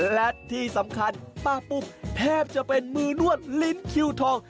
และที่สำคัญป้าปุ้มแทบจะเป็นมือนวดลิ้นคิวทอง